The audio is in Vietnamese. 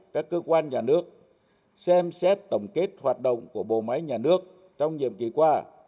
các cơ quan nhà nước xem xét tổng kết hoạt động của bộ máy nhà nước trong nhiệm kỳ qua